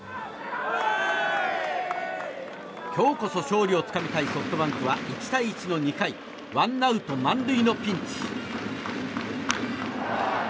今日こそ勝利をつかみたいソフトバンクは１対１の２回ワンアウト満塁のピンチ。